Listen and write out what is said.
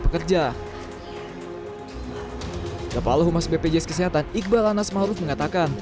kapal humas bpjs kesehatan iqbal anas mahruf mengatakan